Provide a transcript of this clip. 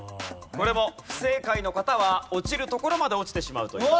これも不正解の方は落ちるところまで落ちてしまうという。